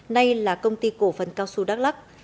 nay là công ty cổ phần cao xu đắk lắc